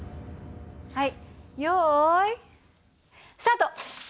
はい用意スタート！